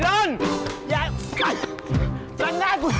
หรือใครกำลังร้อนเงิน